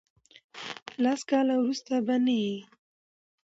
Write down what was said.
لس کاله ورسته به نه یی.